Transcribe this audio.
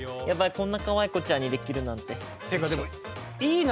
こんなかわい子ちゃんにできるなんて。